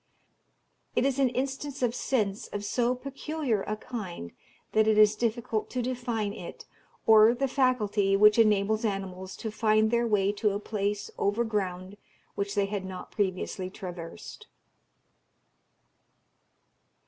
It is an instance of sense of so peculiar a kind that it is difficult to define it, or the faculty which enables animals to find their way to a place over ground which they had not previously traversed.